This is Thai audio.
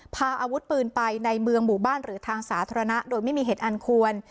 พาอาวุธปืนไปในเมืองหมู่บ้านหรือทางสาธารณะโดยไม่มีเหตุอันควร